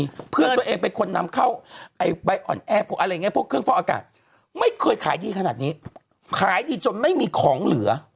เพราะเพื่อนตัวเองเป็นคนนำเข้าไอ้ใบอ่อนแอพวกอะไรอย่างเงี้พวกเครื่องฟอกอากาศไม่เคยขายดีขนาดนี้ขายดีจนไม่มีของเหลือ